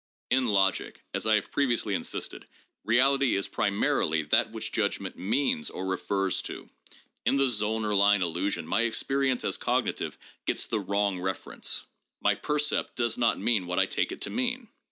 In logic, as I have previously in sisted, reality is primarily that which judgment means or refers to. In the Zollner line illusion my experience as cognitive gets the wrong reference. My percept does not mean what I take it to mean.